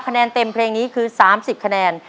แนนเต็มเพลงนี้คือ๓๐คะแนน